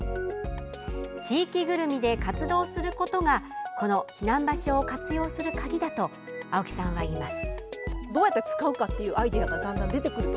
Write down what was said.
地域ぐるみで活動することがこの避難場所を活用する鍵だと青木さんは言います。